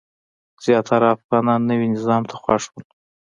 زیاتره افغانان نوي نظام ته خوښ وو.